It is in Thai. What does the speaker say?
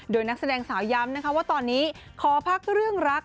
โดยนักแสดงสาวย้ำนะคะว่าตอนนี้ขอพักเรื่องรัก